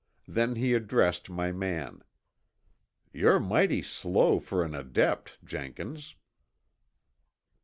Then he addressed my man. "You're mighty slow for an adept, Jenkins."